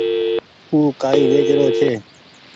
او ڪآئي ويچ رو ڇي۔